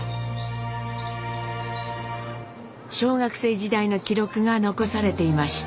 小学生時代の記録が残されていました。